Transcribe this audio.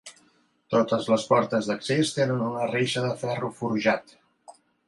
Totes les portes d'accés tenen una reixa de ferro forjat.